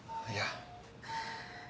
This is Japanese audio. いや。